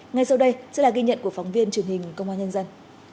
ngay sau đây sẽ là ghi nhận của phóng viên truyền hình công an nhân dân